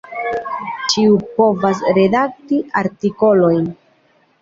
Ĉiu povas redakti artikolojn.